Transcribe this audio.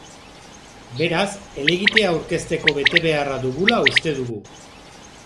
Beraz, helegitea aurkezteko betebeharra dugula uste dugu.